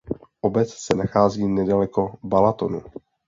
Obec se nachází nedaleko Balatonu.